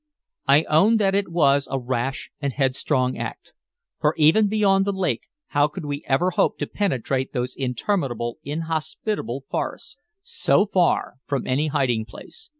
I own that it was a rash and headstrong act, for even beyond the lake how could we ever hope to penetrate those interminable inhospitable forests, so far from any hiding place.